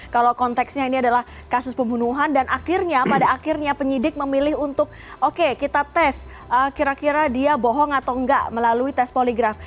kalau konteksnya ini adalah kasus pembunuhan dan akhirnya pada akhirnya penyidik memilih untuk oke kita tes kira kira dia bohong atau enggak melalui tes poligraf